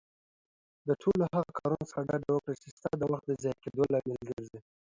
له ټولو هغه کارونه ډډه وکړه، چې د وخت ضايع کيدو لامل ګرځي.